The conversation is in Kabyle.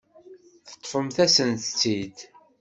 Teṭṭfem-asen-tt-id.